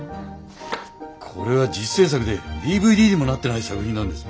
これは自主制作でＤＶＤにもなってない作品なんです。